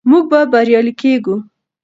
موږ به بریالي کیږو.